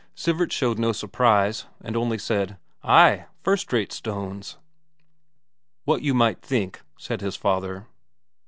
Sivert showed no surprise, and only said: "Ay, first rate stones." "What you might think," said his father.